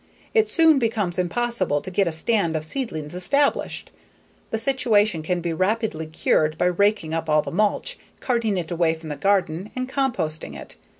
It soon becomes impossible to get a stand of seedlings established. The situation can be rapidly cured by raking up all the mulch, carting it away from the garden, and composting it.